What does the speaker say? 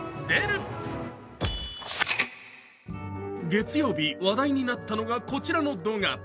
月曜日、話題になったのがこちらの動画。